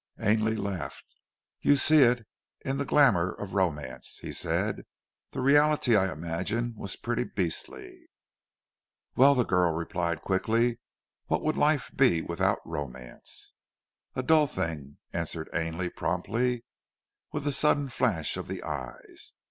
Ainley laughed. "You see it in the glamour of romance," he said. "The reality I imagine was pretty beastly." "Well!" replied the girl quickly. "What would life be without romance?" "A dull thing," answered Ainley, promptly, with a sudden flash of the eyes.